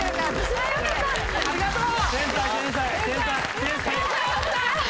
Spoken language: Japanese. ありがとう。